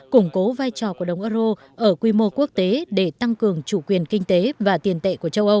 củng cố vai trò của đồng euro ở quy mô quốc tế để tăng cường chủ quyền kinh tế và tiền tệ của châu âu